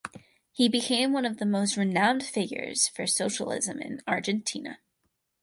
He became one of the most renamed figures for Socialism in Argentina.